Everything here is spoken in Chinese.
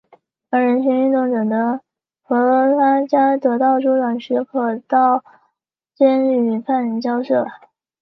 而人权运动者的弗拉加得到州长许可到监狱与犯人交涉。